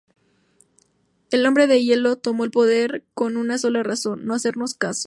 El hombre de hielo tomó el poder con una sola razón: "no hacernos caso".